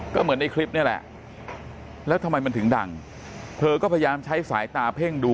ก็เหมือนในคลิปนี่แหละแล้วทำไมมันถึงดังเธอก็พยายามใช้สายตาเพ่งดู